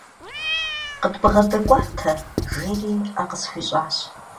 КъыдбгъэдэкӀуатэ, – жери, Ӏэ къысхуещӀ.